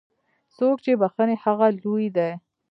څوک چې بخښي، هغه لوی دی.